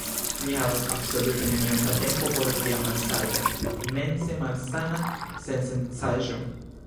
Mi havas absolute neniom da tempo por via malsaĝa, mense malsana sensencaĵo.